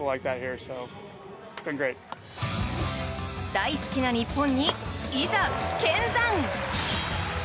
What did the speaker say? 大好きな日本にいざ見参！